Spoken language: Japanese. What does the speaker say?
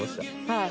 はい。